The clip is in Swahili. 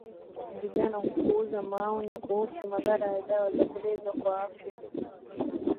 vijana hupuuza maonyo kuhusu madhara ya dawa za kulevya kwa afya